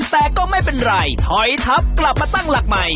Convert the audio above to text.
แต่ก็ไม่เป็นไรถอยทับกลับมาตั้งหลักใหม่